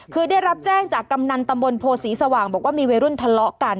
คือได้รับแจ้งจากกำนันตำบลโพศรีสว่างบอกว่ามีวัยรุ่นทะเลาะกัน